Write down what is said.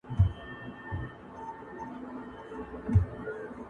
o مور لا هم کمزورې ده او ډېر لږ خبري کوي,